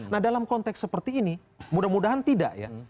nah dalam konteks seperti ini mudah mudahan tidak ya